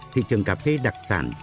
thị trường cà phê đặc sản